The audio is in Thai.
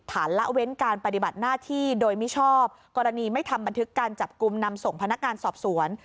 ละเว้นการปฏิบัติหน้าที่โดยมิชอบกรณีไม่ทำบันทึกการจับกลุ่มนำส่งพนักงานสอบสวน